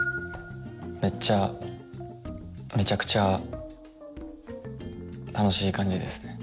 めっちゃめちゃくちゃ楽しい感じですね